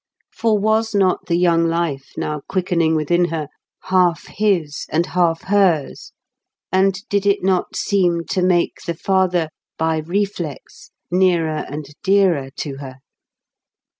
For was not the young life now quickening within her half his and half hers, and did it not seem to make the father by reflex nearer and dearer to her?